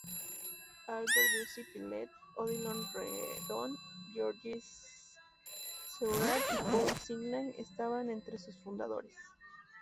Albert Dubois-Pillet, Odilon Redon, Georges Seurat y Paul Signac estaban entre sus fundadores.